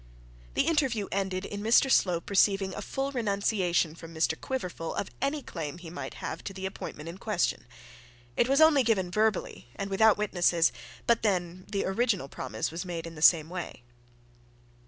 The interview ended in Mr Slope receiving a full renunciation from Mr Quiverful of any claim he might have to the appointment in question. It was only given verbally and without witnesses; but then the original promise was made in the same way.